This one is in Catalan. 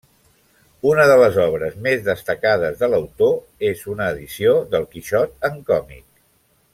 Una de les obres més destacades de l'autor és una edició del Quixot en còmic.